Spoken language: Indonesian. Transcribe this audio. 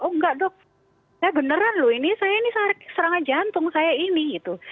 oh enggak dok saya beneran loh ini saya ini serangan jantung saya ini gitu